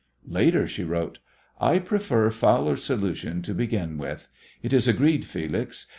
Later she wrote, "I prefer Fowler's solution to begin with. It is agreed, Felix.